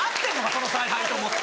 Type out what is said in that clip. その采配」と思って。